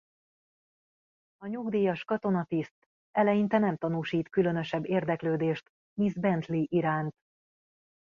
A nyugdíjas katonatiszt eleinte nem tanúsít különösebb érdeklődést Miss Bentley iránt.